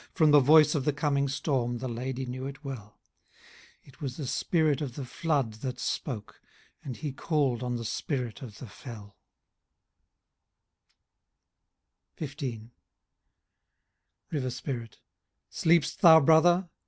From the voice of the coming storm. The Ladye knew it well ! It was the Spirit of the Flood that spoke^ And he call'd on the Spirit of the FelL XV. RIVBR SPIRIT. " Sleep'st thou, brother